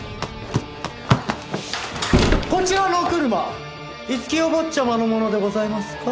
こちらのお車樹お坊ちゃまのものでございますか？